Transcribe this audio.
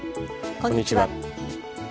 こんにちは。